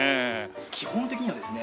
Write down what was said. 基本的にはですね